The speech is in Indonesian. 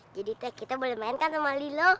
jadi teh kita boleh main kan sama lilo